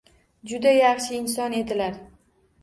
Juda yaxshi inson edilar.